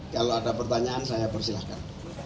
kalau ada pertanyaan saya persilahkan